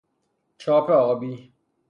چاپ آبی